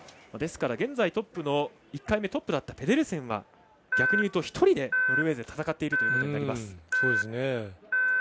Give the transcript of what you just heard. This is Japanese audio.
ですから、現在１回目トップだったペデルセンは１人でノルウェーで戦っているということになります。